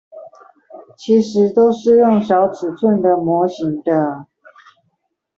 其實都是用小尺寸的模型的